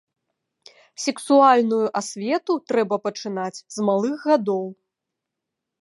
Сексуальную асвету трэба пачынаць з малых гадоў.